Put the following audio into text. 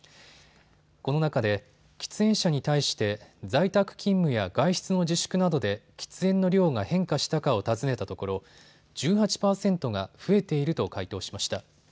この中で喫煙者に対して在宅勤務や外出の自粛などで喫煙の量が変化したかを尋ねたところ１８％が増えていると回答しました。